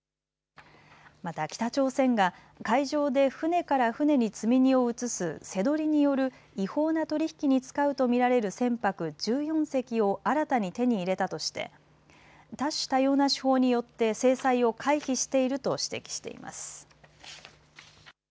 また北朝鮮が海上で船から船に積み荷を移す瀬取りによる違法な取り引きに使うと見られる船舶１４隻を新たに手に入れたとして多種多様な手法によって制裁を回避していると指摘しています。